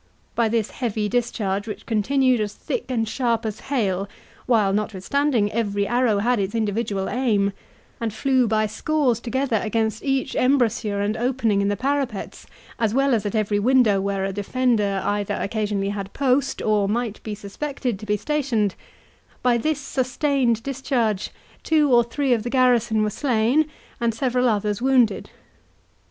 By this heavy discharge, which continued as thick and sharp as hail, while, notwithstanding, every arrow had its individual aim, and flew by scores together against each embrasure and opening in the parapets, as well as at every window where a defender either occasionally had post, or might be suspected to be stationed,—by this sustained discharge, two or three of the garrison were slain, and several others wounded.